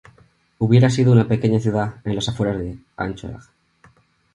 Hubiera sido una pequeña ciudad en las afueras de Anchorage.